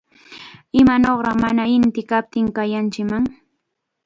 ¡Imanawraq mana inti kaptin kaykanchikman!